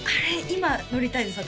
今乗りたいです